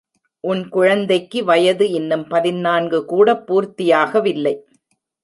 உன் குழந்தைக்கு வயது இன்னும் பதினான்கு கூடப் பூர்த்தியாக வில்லை.